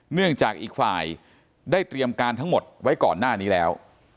เนื่องจากอีกฝ่ายได้เตรียมการทั้งหมดไว้ก่อนหน้านี้แล้ว